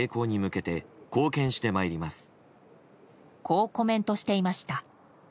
こうコメントしていました。